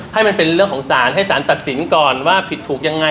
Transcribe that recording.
ให้มันเป็นเรื่องของสารให้สารตัดสินก่อนว่าผิดถูกยังไง